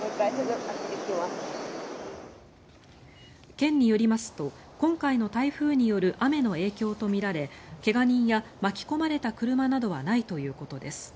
県によりますと今回の台風による雨の影響とみられ怪我人や巻き込まれた車などはないということです。